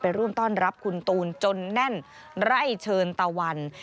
ร่วมต้อนรับคุณตูนจนแน่นไร่เชิญตะวัน